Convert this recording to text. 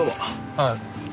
ああ。